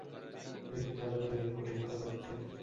এটি কালো রঙের কঠিন পদার্থ।